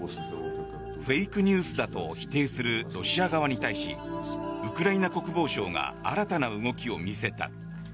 フェイクニュースだと否定するロシア側に対しウクライナ国防省が新たな動きを見せた。